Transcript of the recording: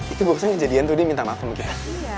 itu buksanya jadian tuh dia minta naku begitu